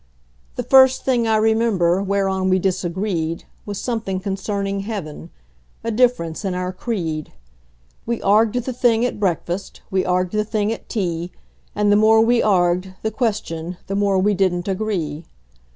The first thing I remember whereon we disagreed Was something concerning heaven a difference in our creed; We arg'ed the thing at breakfast, we arg'ed the thing at tea, And the more we arg'ed the question the more we didn't agree.